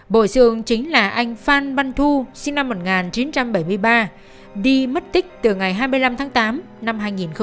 bộ xương chính là anh phan ban thu sinh năm một nghìn chín trăm bảy mươi ba đi mất tích từ ngày hai mươi năm tháng tám năm hai nghìn bảy